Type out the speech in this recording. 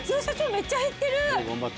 めっちゃ減ってる。